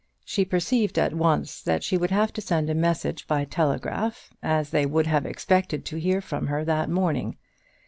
She perceived at once that she would have to send a message by telegraph, as they would have expected to hear from her that morning.